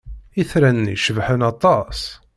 Itran-nni cebḥen aṭas!